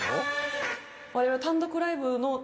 我々。